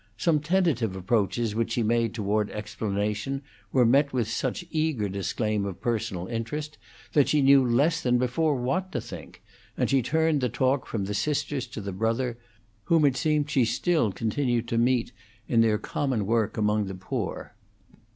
Some tentative approaches which she made toward explanation were met with such eager disclaim of personal interest that she knew less than before what to think; and she turned the talk from the sisters to the brother, whom it seemed she still continued to meet in their common work among the poor.